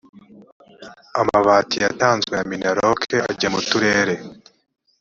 amabati yatanzwe na minaloc ajya mu turere